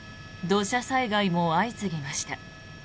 土砂災害も相次ぎました。